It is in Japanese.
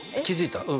気付いた？